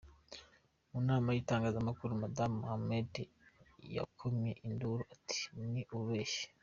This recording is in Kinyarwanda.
Mu nama n'itangazamakuru, Madamu Mohammed yakomye induru ati: "Ni ububeshi".